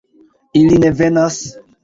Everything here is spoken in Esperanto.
Ili ne venas?